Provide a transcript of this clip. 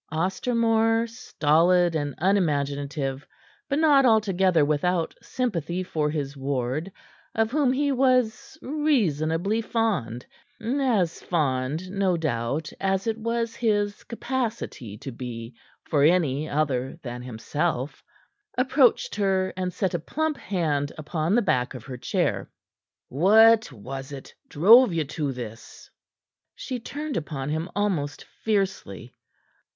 Ostermore, stolid and unimaginative, but not altogether without sympathy for his ward, of whom he was reasonably fond as fond, no doubt, as it was his capacity to be for any other than himself approached her and set a plump hand upon the back of her chair. "What was it drove you to this?" She turned upon him almost fiercely.